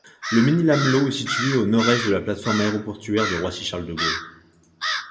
Le Mesnil-Amelot est situé au nord-est de la plateforme aéroportuaire de Roissy-Charles de Gaulle.